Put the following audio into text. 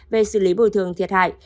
về xử lý bồi thường thiệt hại